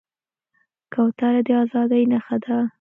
کوتره د ازادۍ نښه ده.